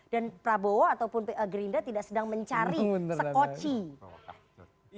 dan prabowo ataupun gerinda tidak sedang mencari sekoci